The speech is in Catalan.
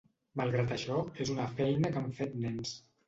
Malgrat això, és una feina que han fet nens.